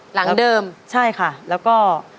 หลังเดิมใช่ค่ะแล้วก็